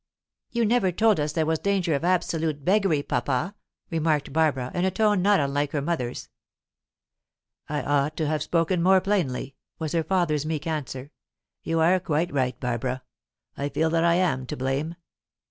"You never told us there was danger of absolute beggary, papa," remarked Barbara, in a tone not unlike her mother's. "I ought to have spoken more plainly," was her father's meek answer. "You are quite right, Barbara. I feel that I am to blame."